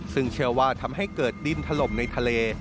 ซึ่งเชื่อว่าทำให้เกิดดินถล่มในทะเล